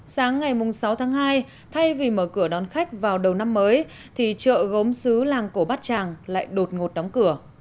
sáng ngày sáu tháng hai thay vì mở cửa đón khách vào đầu năm mới thì chợ gốm xứ làng cổ bát tràng lại đột ngột đóng cửa